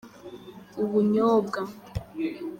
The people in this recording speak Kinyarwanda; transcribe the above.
ubunyobwa.